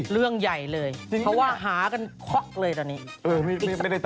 เรื่องใหญ่เลยเพราะว่าหากันเคาะเลยตอนนี้